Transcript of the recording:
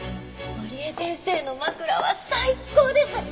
織江先生の枕は最高です！